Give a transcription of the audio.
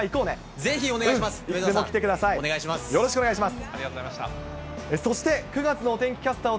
ぜひお願いします。